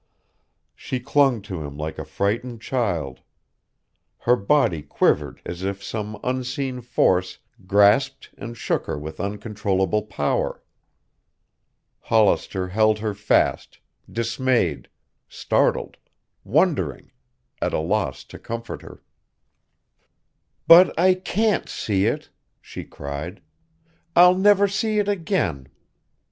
She clung to him like a frightened child. Her body quivered as if some unseen force grasped and shook her with uncontrollable power. Hollister held her fast, dismayed, startled, wondering, at a loss to comfort her. "But I can't see it," she cried. "I'll never see it again.